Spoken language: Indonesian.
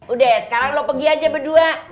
udah sekarang lo pergi aja berdua